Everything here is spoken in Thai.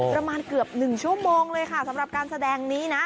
ประมาณเกือบ๑ชั่วโมงเลยค่ะสำหรับการแสดงนี้นะ